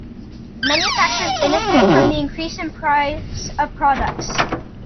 Manufacturers benefit from the increase in price of products.